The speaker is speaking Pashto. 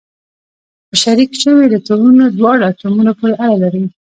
په شریک شوي الکترونونه دواړو اتومونو پورې اړه لري.